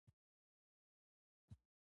د هغوی پر ځای سیلانیان سیمې ته راځي